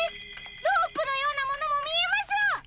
ロープのようなものもみえます！